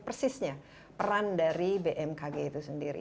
persisnya peran dari bmkg itu sendiri